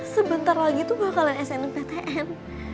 sebentar lagi tuh gue kalahin snmptn